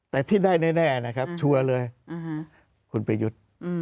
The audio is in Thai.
แต่ที่ได้แน่นะครับชัวร์เลยคุณประยุทธ์